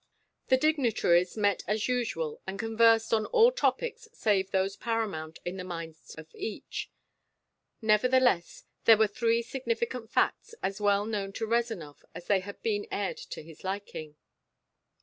The dignitaries met as usual and conversed on all topics save those paramount in the minds of each. Nevertheless, there were three significant facts as well known to Rezanov as had they been aired to his liking.